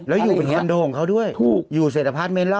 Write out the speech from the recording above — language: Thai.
แล้วอยู่เป็นคอนโดของเขาด้วยถูกอยู่เสร็จอพาร์ทเมนต์แล้ว